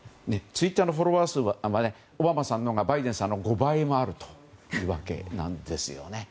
ツイッターのフォロワー数はオバマさんのほうがバイデンさんの５倍もあるというわけなんですよね。